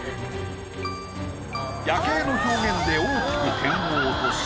夜景の表現で大きく点を落とし